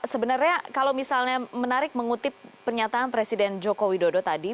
sebenarnya kalau misalnya menarik mengutip pernyataan presiden joko widodo tadi